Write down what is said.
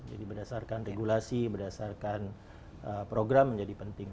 jadi berdasarkan regulasi berdasarkan program menjadi penting